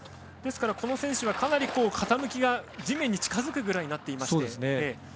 この選手はかなり傾きが地面に近づくぐらいになっています。